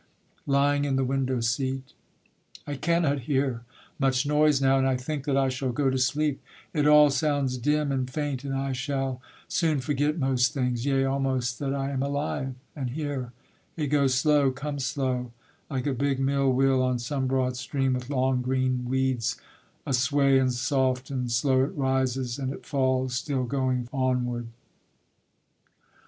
[Lying in the window seat. I cannot hear much noise now, and I think That I shall go to sleep: it all sounds dim And faint, and I shall soon forget most things; Yea, almost that I am alive and here; It goes slow, comes slow, like a big mill wheel On some broad stream, with long green weeds a sway, And soft and slow it rises and it falls, Still going onward.